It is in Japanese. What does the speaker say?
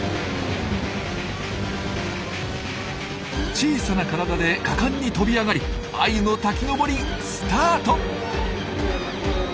小さな体で果敢に跳び上がりアユの滝登りスタート！